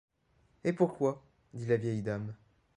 Et pourquoi ? dit la vieille dame.